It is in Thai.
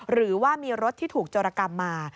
หรือว่ามีรถที่ถูกโจรกรรมมา